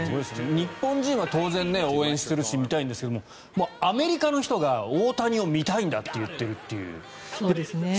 日本人は当然、応援するし見たいんですけどアメリカの人が大谷を見たいんだと言っているという。